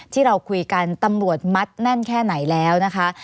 ที่เราคุยกันตำรวจมัดแน่นแค่ไหนแล้วนะคะ